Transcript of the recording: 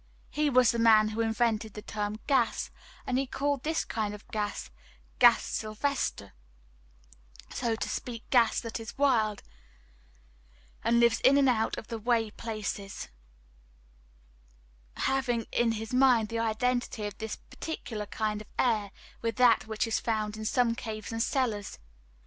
He was the man who invented the term "gas," and he called this kind of gas "gas silvestre" so to speak gas that is wild, and lives in out of the way places having in his mind the identity of this particular kind of air with that which is found in some caves and cellars.